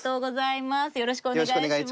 よろしくお願いします。